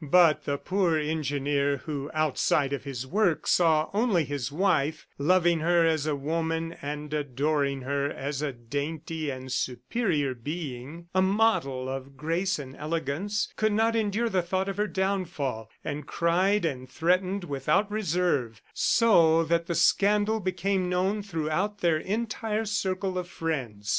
But the poor engineer who, outside of his work, saw only his wife, loving her as a woman, and adoring her as a dainty and superior being, a model of grace and elegance, could not endure the thought of her downfall, and cried and threatened without reserve, so that the scandal became known throughout their entire circle of friends.